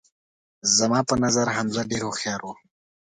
زما په نظر حمزه ډیر هوښیار وو